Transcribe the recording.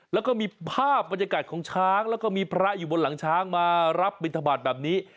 แล้วก็มีภาพบรรยากาศของช้างแล้วก็มีพระอยู่บนหลังช้างมารับบินทบาทแบบนี้